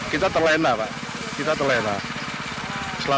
kita terlena pak kita terlena